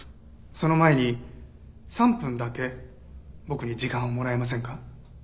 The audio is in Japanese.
その前に３分だけ僕に時間をもらえませんか？